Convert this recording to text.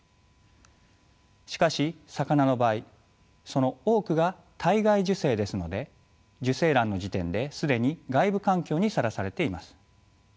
しかし魚の場合その多くが体外受精ですので受精卵の時点で既に外部環境にさらされています。